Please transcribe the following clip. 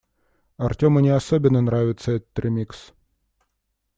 Артёму не особо нравится этот ремикс.